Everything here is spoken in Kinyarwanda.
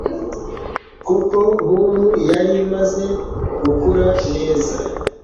kuko hum yari imaze gukura neza